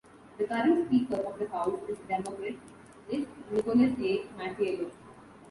The current Speaker of the House is Democrat is Nicholas A. Mattiello.